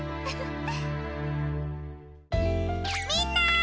みんな！